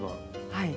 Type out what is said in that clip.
はい。